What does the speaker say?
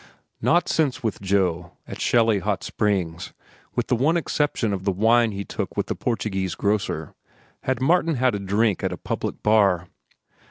Not since with Joe, at Shelly Hot Springs, with the one exception of the wine he took with the Portuguese grocer, had Martin had a drink at a public bar.